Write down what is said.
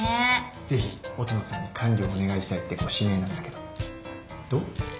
ぜひ音野さんに管理をお願いしたいってご指名なんだけどどう？